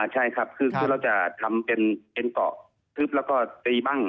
ใช่ครับคือเราจะทำเป็นเกาะทึบแล้วก็ตีบ้าง